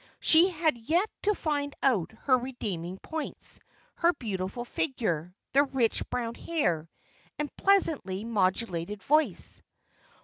She had yet to find out her redeeming points, her beautiful figure, the rich brown hair, and pleasantly modulated voice.